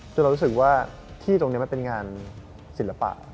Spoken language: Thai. ซึ่งเรารู้สึกว่าที่ตรงนี้มันเป็นงานศิลปะ